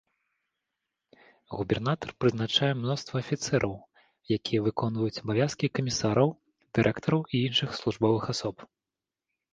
Губернатар прызначае мноства афіцэраў, якія выконваюць абавязкі камісараў, дырэктараў і іншых службовых асоб.